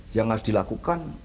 yang harus dilakukan